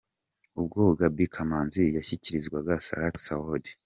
Ubwo Gaby Kamanzi yashyikirizwaga Salax Award.